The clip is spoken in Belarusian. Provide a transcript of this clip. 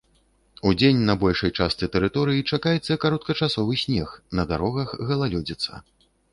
Удзень на большай частцы тэрыторыі чакаецца кароткачасовы снег, на дарогах галалёдзіца.